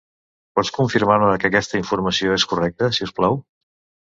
Pots confirmar-me que aquesta informació és correcte, si us plau?